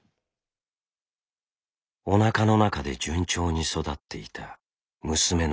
おなかの中で順調に育っていた娘の星子。